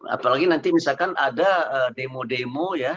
apalagi nanti misalkan ada demo demo ya